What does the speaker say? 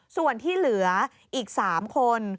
ส่วนที่เหลืออีก๓คน